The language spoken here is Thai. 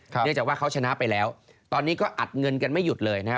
เนื่องจากว่าเขาชนะไปแล้วตอนนี้ก็อัดเงินกันไม่หยุดเลยนะครับ